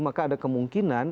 maka ada kemungkinan